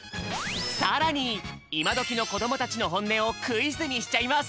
さらにいまどきのこどもたちのほんねをクイズにしちゃいます